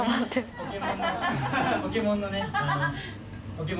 あのポケモンのね